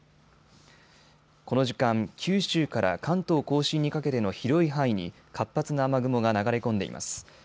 この時間、九州から関東甲信にかけての広い範囲に活発な雨雲が流れ込んでいます。